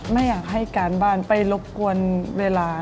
ไม่อยากให้การบ้านไปรบกวนเวลา